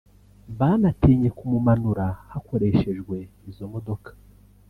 banatinye kumumanura hakoreshejwe izo modoka